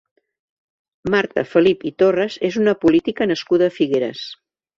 Marta Felip i Torres és una política nascuda a Figueres.